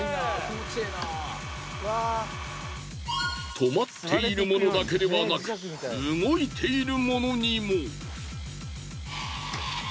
止まっているものだけではなく動いているものにも。